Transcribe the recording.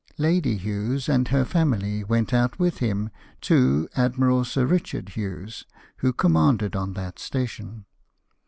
Lady Hughes and her family went out with him to Admiral Sir Kichard Hughes, who commanded on that station.